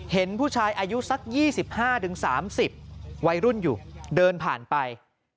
เห็นผู้ชายอายุสัก๒๕๓๐วัยรุ่นอยู่เดินผ่านไป